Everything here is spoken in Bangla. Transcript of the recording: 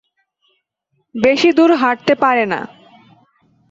বেশি দূর হাঁটতে পারে না।